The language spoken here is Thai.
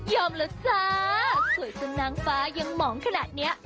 แล้วจ้าสวยจนนางฟ้ายังหมองขนาดนี้